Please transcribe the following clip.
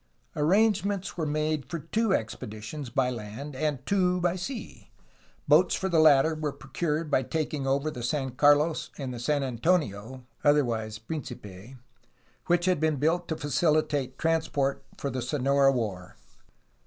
Arrangements were made for two expeditions by land and two by sea. Boats for the latter were procured by taking over the San Carlos and the San Antonio (otherwise Principe) y which had been built to facilitate transport for the Sonora war.